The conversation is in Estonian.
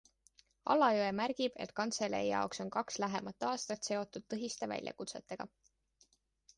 Alajõe märgib, et kantselei jaoks on kaks lähemat aastat seotud tõsiste väljakutsetega.